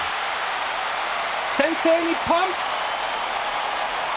先制、日本！